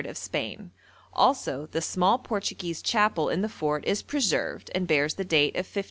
of Spain; also the small Portuguese chapel in the fort is preserved and bears the date of 1588.